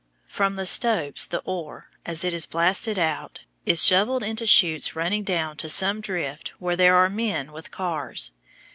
From the stopes the ore, as it is blasted out, is shovelled into chutes running down to some drift where there are men with cars.